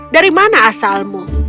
dari mana asalmu